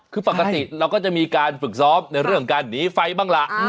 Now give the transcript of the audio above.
คือปกติเราก็จะมีการฝึกซ้อมในเรื่องการหนีไฟบ้างล่ะ